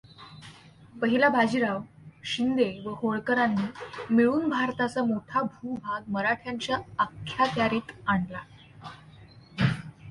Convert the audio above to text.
पहिला बाजीराव, शिंदे व होळकरांनी मिळून भारताचा मोठा भूभाग मराठ्यांच्या अख्यात्यारित आणला.